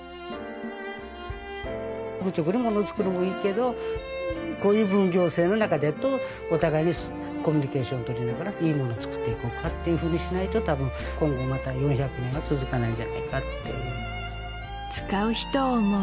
愚直にものを作るのもいいけどこういう分業制の中だとお互いにコミュニケーションとりながらいいもの作っていこうかっていうふうにしないと多分今後また４００年は続かないんじゃないかっていう使う人を思う